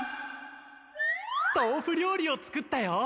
とうふ料理を作ったよ。